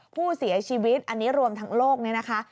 ผู้เสียชีวิตอันนี้รวมทั้งโลกนี้นะคะ